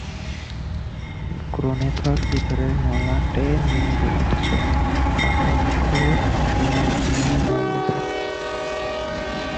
গ্রনেথর ভিতরের মলাটে মেয়েলি অথচ পাকা অক্ষরে বিনোদিনীর নাম লেখা।